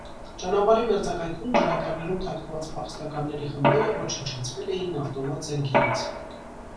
Ճանապարհի մերձակայքում, ջրատարներում թաքնված փախստականների խմբերը ոչնչացվել էին ավտոմատ զենքերից։